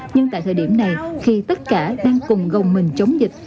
nhưng tại thời điểm này khi tất cả đang cùng gồng mình chống dịch